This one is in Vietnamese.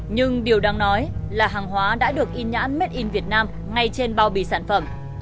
nhưng điều đáng nói là hàng hóa đã được in nhãn made in việt nam ngay trên bao bì sản phẩm